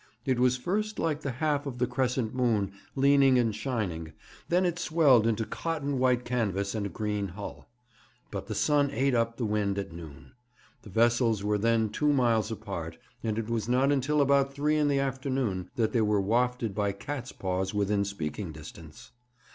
It was first like the half of the crescent moon leaning and shining, then it swelled into cotton white canvas and a green hull. But the sun ate up the wind at noon. The vessels were then two miles apart, and it was not until about three in the afternoon that they were wafted by cat's paws within speaking distance.